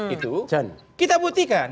itu kita buktikan